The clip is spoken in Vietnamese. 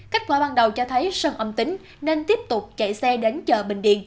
kết quả ban đầu cho thấy sơn âm tính nên tiếp tục chạy xe đến chợ bình điền